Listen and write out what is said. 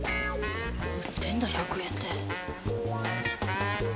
売ってんだ１００円で。